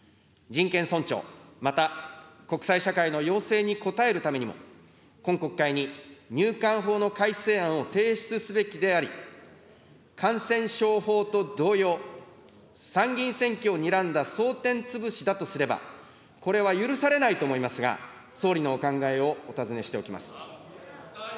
人権尊重、また国際社会の要請に応えるためにも今国会に入管法の改正案を提出すべきであり、感染症法と同様、参議院選挙をにらんだ争点潰しだとすれば、これは許されないと思いますが、総理のお考えをお尋ねしておきます。